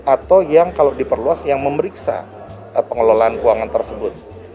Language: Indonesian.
atau yang kalau diperluas yang memeriksa pengelolaan keuangan tersebut